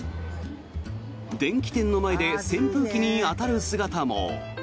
電器店の前で扇風機に当たる姿も。